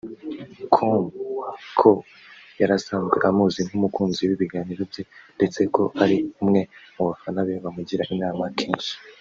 com ko yarasanzwe amuzi nk’umukunzi w’ibiganiro bye ndetse ko ari umwe mubafana be bamugira inama kenshi